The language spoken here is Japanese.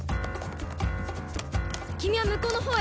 君はむこうの方へ。